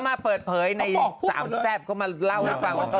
มันไปทำเองเองไม่รู้นะเธอ